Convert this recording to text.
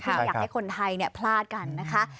อยากให้คนไทยพลาดกันนะคะ